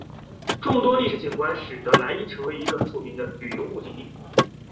众多的历史景观使得莱伊成为一个著名的旅游目的地。